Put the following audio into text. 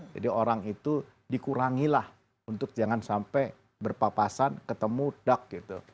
jadi orang itu dikurangilah untuk jangan sampai berpapasan ketemu duck gitu